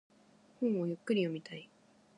本をゆっくり読みたい。